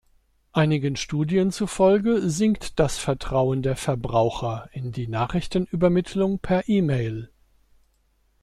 Einigen Studien zufolge sinkt das Vertrauen der Verbraucher in die Nachrichtenübermittlung per E-Mail.